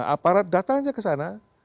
aparat datang saja ke sana